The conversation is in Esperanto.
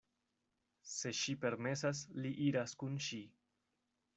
Se ŝi permesas, li iras kun ŝi.